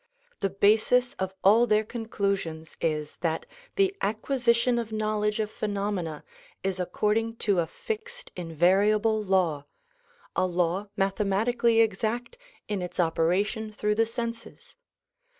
The basis of all their conclusions is that the acquisition of knowledge of phenomena is according to a fixed, invariable law, — a law mathe matically exact in its operation through the senses.